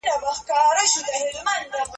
خپل غوږونه په نرمۍ سره پاک کړئ.